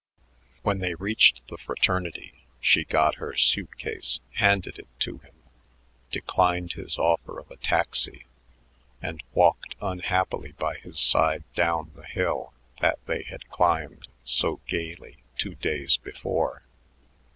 When they reached the fraternity, she got her suit case, handed it to him, declined his offer of a taxi, and walked unhappily by his side down the hill that they had climbed so gaily two days before.